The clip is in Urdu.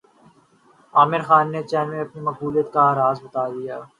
عامر خان نے چین میں اپنی مقبولیت کا راز بتادیا